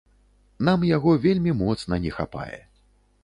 Нам яго вельмі моцна не хапае.